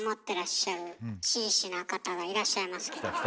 てらっしゃる紳士な方がいらっしゃいますけど。